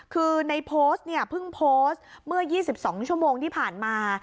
คือในโพสต์เนี่ยเพิ่งโพสต์เมื่อ๒๒ชั่วโมงที่ผ่านมา